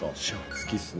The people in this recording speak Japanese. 好きっすね。